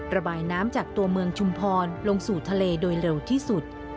ระบายน้ำจากตัวเมืองชุมพรลงสู่ทะเลโดยเร็วที่สุด